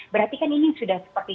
berarti kan ini sudah seperti